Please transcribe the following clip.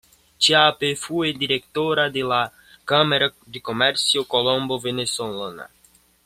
Chiappe fue directora de la Cámara de Comercio Colombo-Venezolana.